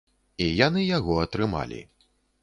І яны яго атрымалі.